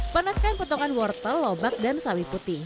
panaskan potongan wortel lobak dan sawi puting